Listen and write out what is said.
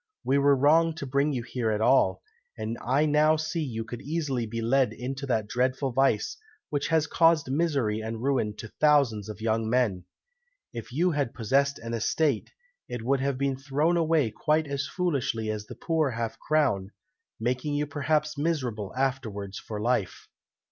We were wrong to bring you here at all; and I now see you could easily be led into that dreadful vice, which has caused misery and ruin to thousands of young men. If you had possessed an estate, it would have been thrown away quite as foolishly as the poor half crown, making you perhaps miserable afterwards for life."